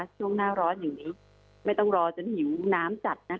ช่วงหน้าร้อนหิวไม่ต้องรอจนหิวน้ำจัดนะคะ